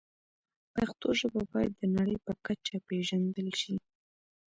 پښتو ژبه باید د نړۍ په کچه پېژندل شي.